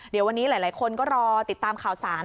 เดี๋ยววันนี้หลายคนก็รอติดตามข่าวสาร